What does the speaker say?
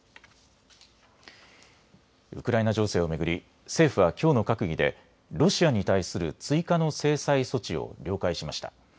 ウクライナ情勢を巡り政府はきょうの閣議でロシアに対する追加の制裁措置を了解しました。